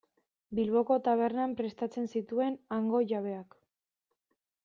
Bilboko tabernan prestatzen zituen hango jabeak.